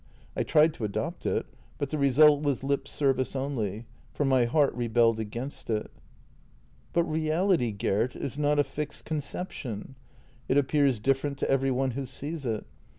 I tried to adopt it, but the result was lip service only, for my heart rebelled against it." " But reality, Gert, is not a fixed conception. It appears different to every one who sees it.